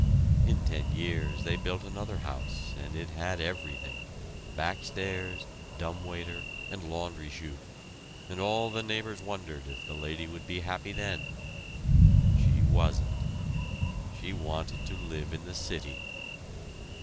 In ten years they built another house, and it had everything, back stairs, dumb waiter, and laundry shoot, and all the neighbors wondered if the lady would be happy then. She wasn't. She wanted to live in the city.